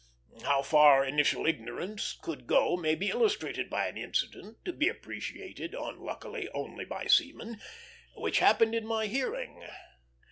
How far initial ignorance could go may be illustrated by an incident, to be appreciated, unluckily, only by seamen, which happened in my hearing.